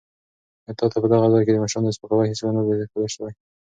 تا ته په دغه ځای کې د مشرانو سپکاوی هېڅکله نه دی ښوول شوی.